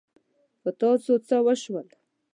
په تاسو څه وشول؟